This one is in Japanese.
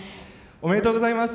おめでとうございます。